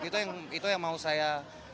itu yang mau saya